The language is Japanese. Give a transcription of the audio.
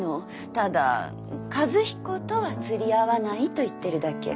ただ和彦とは釣り合わないと言ってるだけ。